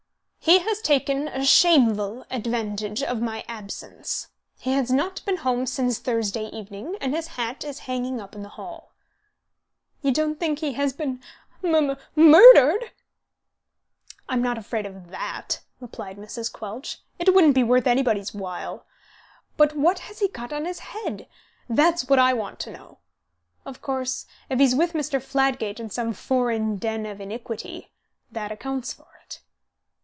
"He has taken a shameful advantage of my absence. He has not been home since Thursday evening, and his hat is hanging up in the hall." "You don't think he has been m m murdered?" "I'm not afraid of that," replied Mrs. Quelch, "it wouldn't be worth anybody's while. But what has he got on his head? that's what I want to know. Of course, if he's with Mr. Fladgate in some foreign den of iniquity, that accounts for it."